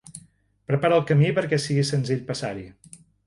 Prepara el camí perquè sigui senzill passar-hi.